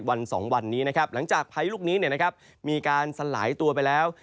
๒วันนี้นะครับหลังจากพายุลูกนี้มีการสลายตัวไปแล้ว